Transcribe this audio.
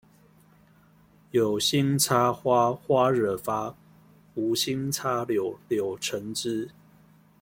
有心插花花惹發，無心插柳柳橙汁